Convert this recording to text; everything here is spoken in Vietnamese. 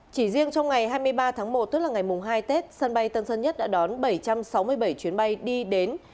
chỉ riêng trong ngày hai mươi ba tháng một tức là ngày hai tết sân bay tân sơn nhất đã đón bảy trăm sáu mươi bảy chuyến bay đi đến